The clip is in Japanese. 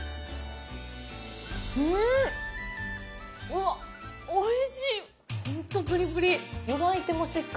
うわっ、おいしいっ。